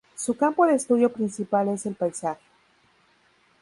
Su campo de estudio principal es el paisaje.